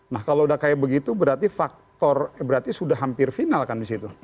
nah kalau udah kayak begitu berarti faktor berarti sudah hampir final kan di situ